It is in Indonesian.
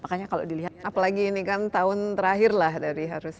apalagi ini kan tahun terakhirlah dari harus